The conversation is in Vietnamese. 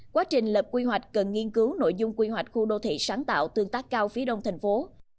quá trình lập quy hoạch cần nghiên cứu nội dung quy hoạch khu đô thị sáng tạo tương tác cao phía đông thành phố